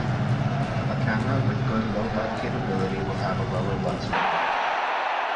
A camera with good low-light capability will have a lower lux rating.